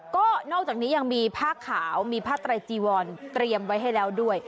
ก็นอกจากนี้ยังมีผ้าขาวมีผ้าไตรจีวรเตรียมไว้ให้แล้วด้วย